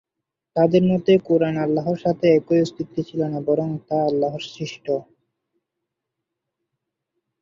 তাদের মতে কুরআন আল্লাহর সাথে একই অস্তিত্বে ছিল না বরং তা আল্লাহর সৃষ্ট।